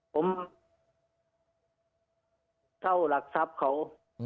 ผมเท่าหลักทรัพย์เขา